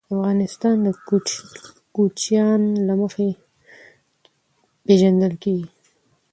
افغانستان د کوچیان له مخې پېژندل کېږي.